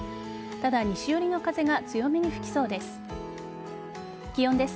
ただ、西寄りの風が強めに吹きそうです。